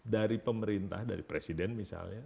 dari pemerintah dari presiden misalnya